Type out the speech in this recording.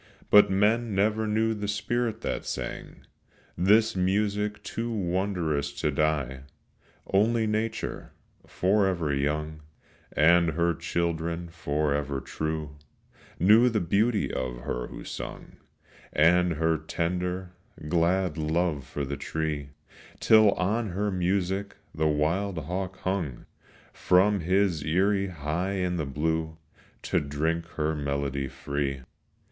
But men never knew the spirit that sang This music too wondrous to die. Only nature, forever young, And her children, forever true, Knew the beauty of her who sung And her tender, glad love for the tree; Till on her music the wild hawk hung From his eyrie high in the blue To drink her melody free.